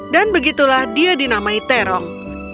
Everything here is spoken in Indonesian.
dan begitulah dia dinamai terong